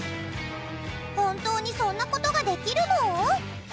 本当にそんな事ができるの？